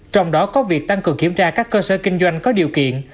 trong đó có việc tăng cường kiểm tra các cơ sở kinh doanh có điều kiện